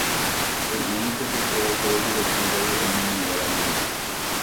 Py'ỹinte jeko oho ojeroky ha ovy'a iñirũnguéra ndive.